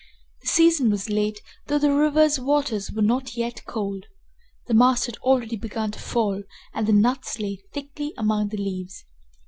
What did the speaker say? The season was late, though the river's waters were not yet cold. The mast had already begun to fall and the nuts lay thickly among the leaves.